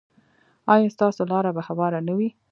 ایا ستاسو لاره به هواره نه وي؟